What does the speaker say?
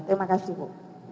terima kasih bu